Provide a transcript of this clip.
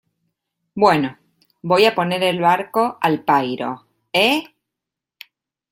bueno, voy a poner el barco al pairo ,¿ eh?